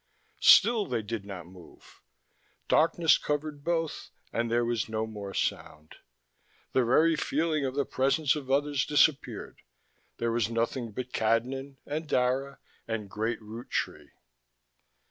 Still they did not move. Darkness covered both, and there was no more sound. The very feeling of the presence of others disappeared: there was nothing but Cadnan, and Dara, and Great Root Tree.